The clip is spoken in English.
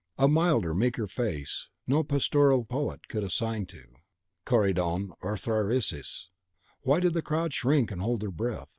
A milder, meeker face no pastoral poet could assign to Corydon or Thyrsis, why did the crowd shrink and hold their breath?